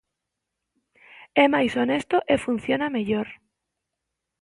É máis honesto e funciona mellor.